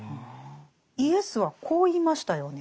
イエスはこう言いましたよね。